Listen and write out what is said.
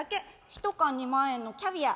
一缶２万円のキャビア。